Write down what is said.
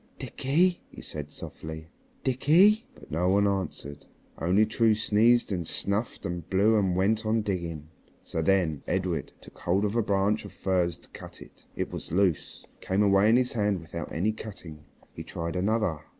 "Dickie," he said softly, "Dickie." But no one answered. Only True sneezed and snuffed and blew and went on digging. So then Edred took hold of a branch of furze to cut it, and it was loose and came away in his hand without any cutting. He tried another.